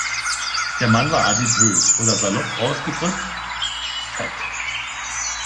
Der Mann war adipös, oder salopp ausgedrückt: Fett.